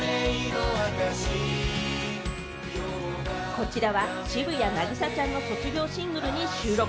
こちらは渋谷凪咲ちゃんの卒業シングルに収録。